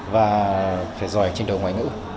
và phải giỏi trình độ ngoại ngữ